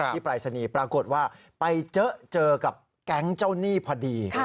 ปรายศนีย์ปรากฏว่าไปเจอกับแก๊งเจ้าหนี้พอดี